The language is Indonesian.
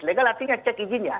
legal artinya cek izinnya